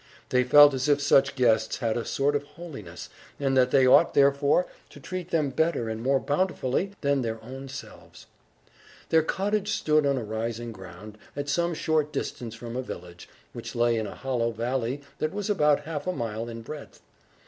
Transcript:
They felt as if such guests had a sort of holiness, and that they ought, therefore, to treat them better and more bountifully than their own selves. Their cottage stood on a rising ground, at some short distance from a village, which lay in a hollow valley that was about half a mile in breadth.